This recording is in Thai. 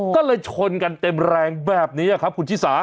ก็เลยชนกันเต็มแรงแบบนี้ครับคุณชิสา